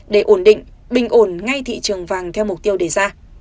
để ổn định bình ổn ngay thị trường vàng theo mục tiêu đề ra